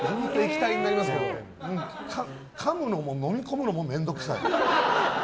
かむのも、飲み込むのも面倒くさい。